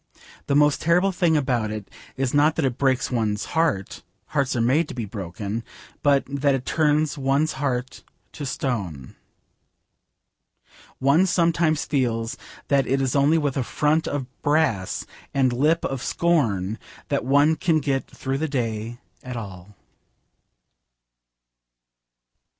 The most terrible thing about it is not that it breaks one's heart hearts are made to be broken but that it turns one's heart to stone. One sometimes feels that it is only with a front of brass and a lip of scorn that one can get through the day at all.